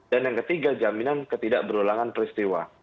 dan yang ketiga jaminan ketidakberulangan peristiwa